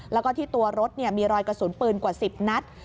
แล้วก็ที่ตัวรถมีรอยกระสุนปืนกว่า๑๐นัด